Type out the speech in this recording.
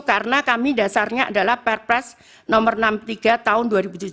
karena kami dasarnya adalah perpres nomor enam puluh tiga tahun dua ribu tujuh belas